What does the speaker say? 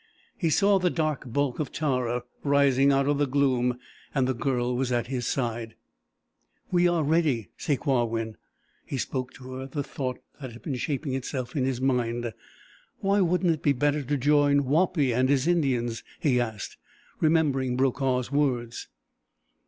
He saw the dark bulk of Tara rising out of the gloom, and the Girl was at his side. "We are ready, Sakewawin." He spoke to her the thought that had been shaping itself in his mind. "Why wouldn't it be better to join Wapi and his Indians?" he asked, remembering Brokaw's words.